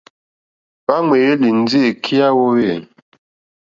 Hwá ŋwèyélì ndí èkí yá hwōhwê.